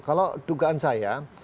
kalau dugaan saya